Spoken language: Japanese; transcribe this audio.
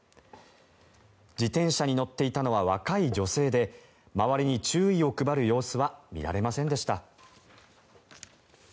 自転車に乗っていたのは若い女性で周りに注意を配る様子は見られませんでした。